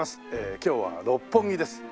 今日は六本木です。